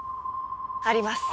あります。